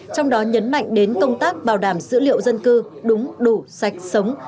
trong đó nhấn mạnh đến công tác bảo đảm dữ liệu dân cư đúng đủ sạch sống